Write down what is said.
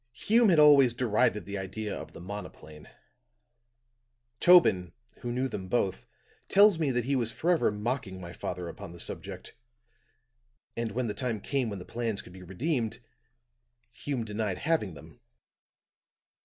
"Hume had always derided the idea of the monoplane. Tobin, who knew them both, tells me that he was forever mocking my father upon the subject. And when the time came when the plans could be redeemed, Hume denied having them.